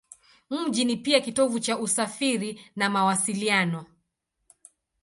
Mji ni pia kitovu cha usafiri na mawasiliano.